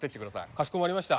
かしこまりました。